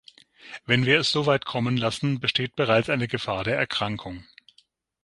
Wenn wir es soweit kommen lassen, besteht bereits eine Gefahr der Erkrankung.